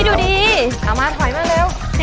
อยู่ดีเอามาถอยมาเร็ว